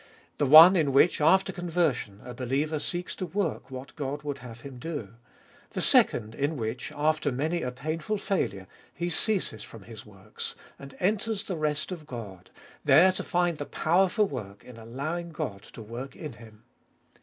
The one in which, after conversion, a believer seeks to work what God would have him do. The second, in which, after many a painful failure, he ceases from his works, and enters the rest of God, there to find the power for work in allowing God to work in him.